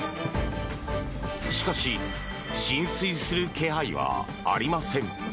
しかし浸水する気配はありません。